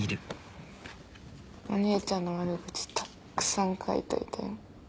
お姉ちゃんの悪口たっくさん書いておいたよ。